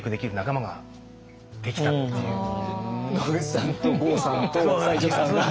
野口さんと郷さんと西城さんが。